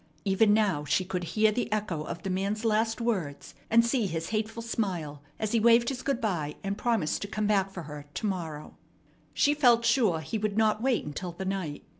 Even now she could hear the echo of the man's last words, and see his hateful smile as he waved his good by and promised to come back for her to morrow. She felt sure he would not wait until the night.